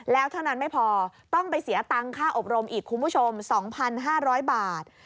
แล้วเท่านั้นไม่พอต้องไปเสียตังค่าอบรมอีกคุณผู้ชม๒๕๐๐บาท